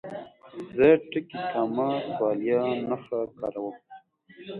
زه ټکي، کامه، سوالیه نښه کاروم.